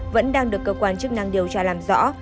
vẫn đang được cơ quan chức năng điều tra làm rõ